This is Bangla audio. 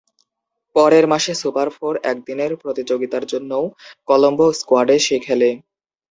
পরের মাসে সুপার ফোর একদিনের প্রতিযোগিতার জন্যও কলম্বো স্কোয়াডে সে খেলে।